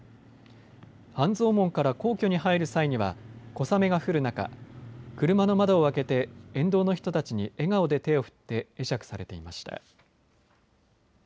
半蔵門から皇居に入る際には小雨が降る中、車の窓を開けて沿道の人たちに笑顔で手を振って会釈されていました。